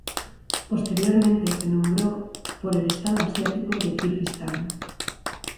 Posteriormente se nombró por el estado asiático de Kirguistán.